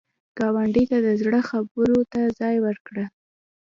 ګاونډي ته د زړه خبرو ته ځای ورکړه